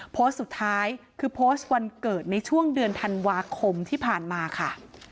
โพสต์สุดท้ายคือโพสต์วันเกิดในช่วงเดือนธันวาคมที่ผ่านมาค่ะ